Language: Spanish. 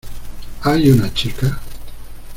¿ hay una chica?